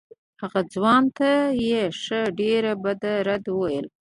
هغه ځوان ته یې ښه ډېر بد رد وویل.